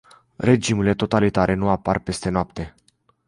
Regimurile totalitare nu apar peste noapte.